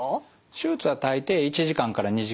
手術は大抵１時間から２時間。